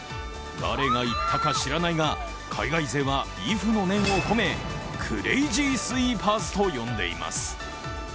誰が言ったか知らないが海外勢は畏怖の念を込めクレイジースイーパーズと呼んでいます。